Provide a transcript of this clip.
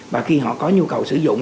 và khi họ có nhu cầu sử dụng